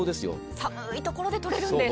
寒いところで取れるんです。